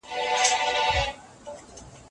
ښکاره نعمت تل خوشحالي نه ده.